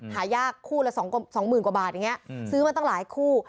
ขายากคู่ละ๒๐๐๐๐กว่าบาทซื้อมาตั้งหลายคู่